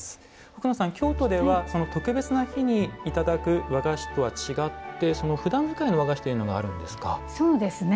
奥野さん、京都では特別な日にいただく和菓子とは違ってふだん使いの和菓子というのがあるんですか？